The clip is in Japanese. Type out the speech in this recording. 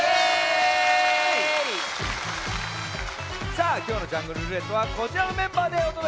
さあきょうの「ジャングルるーれっと」はこちらのメンバーでおとどけしたいとおもいます。